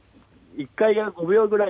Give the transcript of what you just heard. １回５秒くらい。